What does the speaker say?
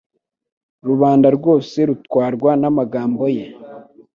rubanda rwose rutwarwa n'amagambo ye.